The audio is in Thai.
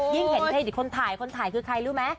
ยิ่งเห็นเทรดิตคนถ่ายคนถ่ายคือใครรู้ไหม